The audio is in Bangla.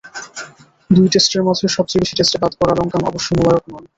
দুই টেস্টের মাঝে সবচেয়ে বেশি টেস্টে বাদ পড়া লঙ্কান অবশ্য মুবারক নন।